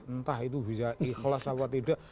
entah itu bisa ikhlas apa tidak